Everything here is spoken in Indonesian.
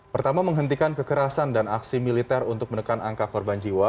pertama menghentikan kekerasan dan aksi militer untuk menekan angka korban jiwa